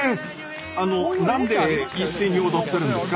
あの何で一斉に踊ってるんですか？